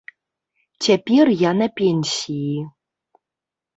Цяпер я на пенсіі.